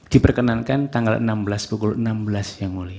diperkenankan tanggal enam belas pukul enam belas yang mulia